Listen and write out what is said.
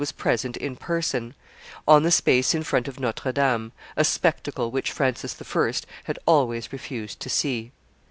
was present in person, on the space in front of Notre Dame: a spectacle which Francis I. had always refused to see.